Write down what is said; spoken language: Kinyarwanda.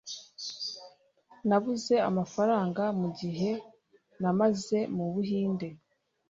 Nabuze amafaranga mugihe namaze mu Buhinde